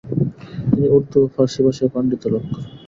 তিনি উর্দু ও ফারসি ভাষায় পাণ্ডিত্য লাভ করেন।